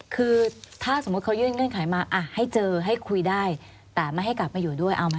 คือถ้าสมมุติเขายื่นเงื่อนไขมาให้เจอให้คุยได้แต่ไม่ให้กลับมาอยู่ด้วยเอามา